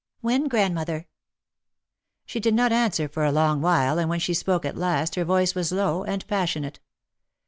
"When, grandmother?" She did not answer for a long while and when she spoke at last her voice was low and passionate.